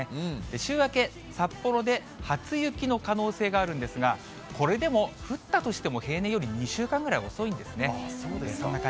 週明け、札幌で初雪の可能性があるんですが、これでも、降ったとしても平年より２週間ぐらい遅いんですね。